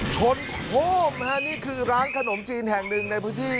ชนโค้มฮะนี่คือร้านขนมจีนแห่งหนึ่งในพื้นที่